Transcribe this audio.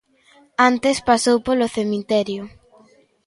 Antes pasou polo cemiterio.